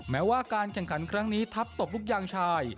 แม้ว่าการแข่งขันครั้งนี้ทัพตบลูกยางชาย